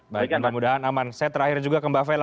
baik mudah mudahan aman saya terakhir juga ke mbak vela